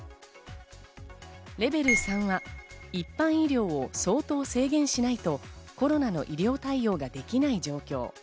レベル３は一般医療を相当制限しないとコロナの医療対応ができない状況。